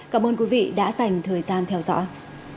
cảm ơn quý vị đã dành thời gian theo dõi